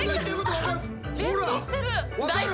分かる？